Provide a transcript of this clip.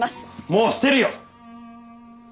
もうしてるよ！